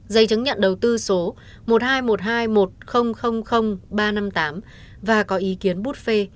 giấy chứng nhận đầu tư số một hai một hai một không không không ba năm tám và có ý kiến bút phê